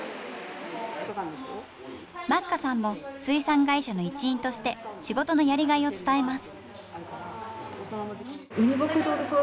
眞下さんも水産会社の一員として仕事のやりがいを伝えます。